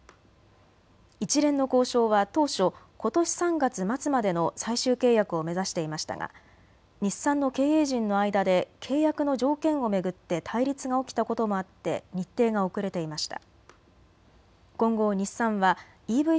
一連の交渉は当初、ことし３月末までの最終契約を目指していましたが日産の経営陣の間で契約の条件を巡って対立が起きたこともあって日程が遅れていました。